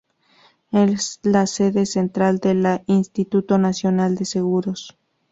Es la sede central de la Instituto Nacional de Seguros.